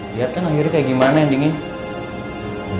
lihat kan akhirnya kayak gimana yang dingin